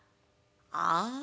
「ああ。